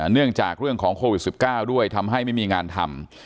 เรื่องของโควิด๑๙ด้วยทำให้ไม่มีงานทำ